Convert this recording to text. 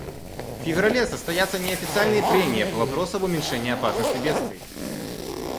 В феврале состоятся неофициальные прения по вопросу об уменьшении опасности бедствий.